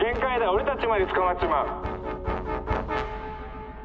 俺たちまで捕まっちまう！」。